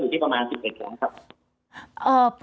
มีข้าวจริงหนึ่งก็อยู่ที่ประมาณ๑๑๐๐คับ